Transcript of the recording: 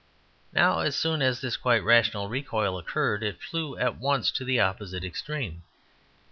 Now, as soon as this quite rational recoil occurred, it flew at once to the opposite extreme.